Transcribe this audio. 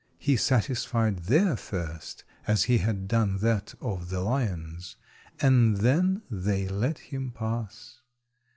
He satisfied their thirst, as he had done that of the lions, and then they let him pass.